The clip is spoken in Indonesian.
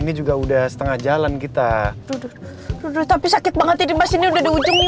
ini juga udah setengah jalan kita duduk duduk tapi sakit banget ini masih udah di ujungnya